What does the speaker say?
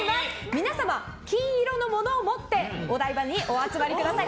皆様、金色のものを持ってお台場にお集まりください。